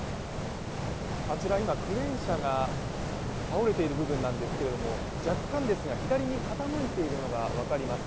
あちら、今クレーン車が倒れている部分なんですけれども若干ですが、左に傾いているのが分かります。